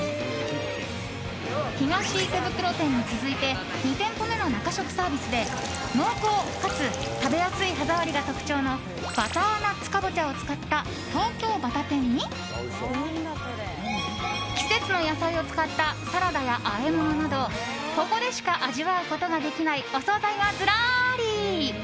東池袋店に続いて２店舗目の中食サービスで濃厚かつ食べやすい歯触りが特徴のバターナッツカボチャを使った東京バタ天に季節の野菜を使ったサラダやあえものなどここでしか味わうことができないお総菜がずらり。